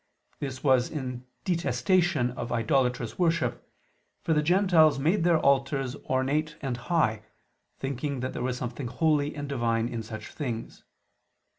This was in detestation of idolatrous worship: for the Gentiles made their altars ornate and high, thinking that there was something holy and divine in such things.